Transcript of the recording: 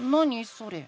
それ。